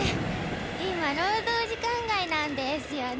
今労働時間外なんですよね。